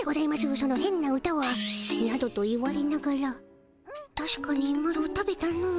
そのへんな歌は」などと言われながらたしかにマロ食べたの。